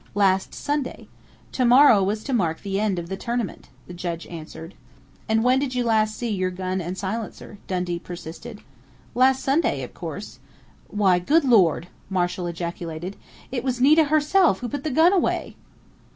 "Last Sunday. Tomorrow was to mark the end of the 'tournament'," the Judge answered. "And when did you last see your gun and silencer?" Dundee persisted. "Last Sunday, of course.... Why, Good Lord!" Marshall ejaculated. _"It was Nita herself who put the gun away!